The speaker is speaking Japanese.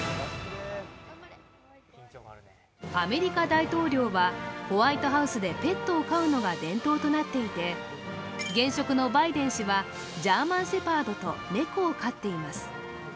アメリカ大統領はホワイトハウスでペットを飼うのが伝統となっていて、現職のバイデン氏はジャーマンシェパードと猫を飼っています。